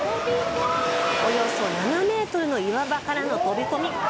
およそ７メートルの岩場からの飛び込み。